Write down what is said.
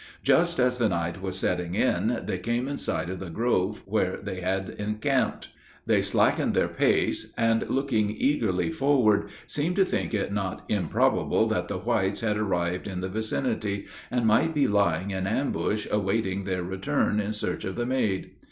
Just as the night was setting in, they came in sight of the grove where they had encamped. They slackened their pace, and looking eagerly forward, seemed to think it not improbable that the whites had arrived in the vicinity, and might be lying in ambush awaiting their return in search of the maid.